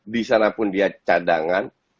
di sana pun dia cadangan